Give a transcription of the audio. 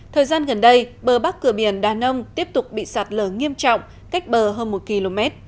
thời gian gần đây bờ bắc cửa biển đà nông tiếp tục bị sạt lở nghiêm trọng cách bờ hơn một km